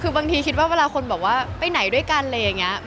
คือบางทีคิดว่าเวลาคนแบบว่าไปไหนด้วยกันอะไรอย่างนี้